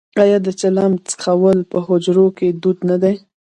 آیا د چلم څکول په حجرو کې دود نه دی؟